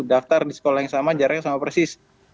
daftar di sekolah yang sama jaraknya sama persis